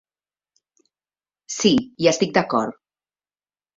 Sí, hi estic d'acord.